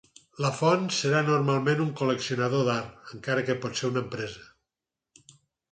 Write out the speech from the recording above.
La font serà normalment un col·leccionador d'art, encara que pot ser una empresa.